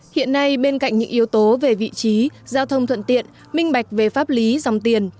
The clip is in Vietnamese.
hiện nay bên cạnh những yếu tố về vị trí giao thông thuận tiện minh bạch về pháp lý dòng tiền